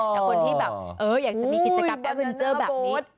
แต่คนที่แบบอยากจะมีกิจกรรมแก้เวนเจอร์แบบนี้